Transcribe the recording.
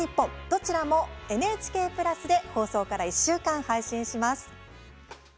どちらも、ＮＨＫプラスで放送から１週間、配信します。